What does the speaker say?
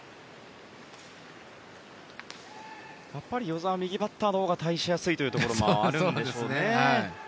やっぱり與座は右バッターのほうが対しやすいというところもあるんでしょうね。